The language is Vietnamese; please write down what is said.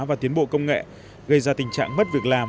và tiến bộ công nghệ gây ra tình trạng mất việc làm